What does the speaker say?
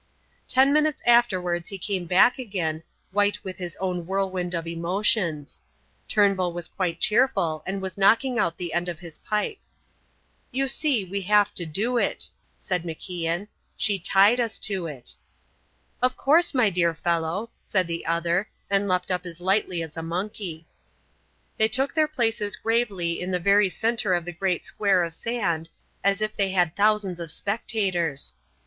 Ten minutes afterwards he came back again, white with his own whirlwind of emotions; Turnbull was quite cheerful and was knocking out the end of his pipe. "You see, we have to do it," said MacIan. "She tied us to it." "Of course, my dear fellow," said the other, and leapt up as lightly as a monkey. They took their places gravely in the very centre of the great square of sand, as if they had thousands of spectators.